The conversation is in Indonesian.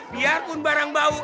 biarpun barang bau